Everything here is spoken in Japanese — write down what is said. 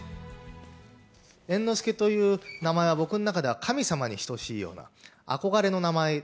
猿之助という名前は僕の中では、神様に等しいような、憧れの名前。